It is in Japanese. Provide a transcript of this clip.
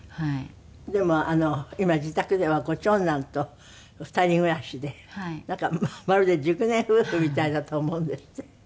でも今自宅ではご長男と２人暮らしでなんかまるで熟年夫婦みたいだと思うんですって？